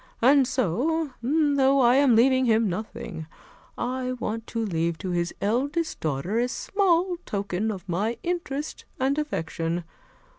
And so, though I am leaving him nothing, I want to leave to his eldest daughter a small token of my interest and affection.